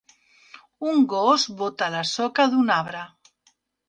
Un gos bota la soca d'un arbre.